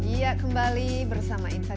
iya kembali bersama insight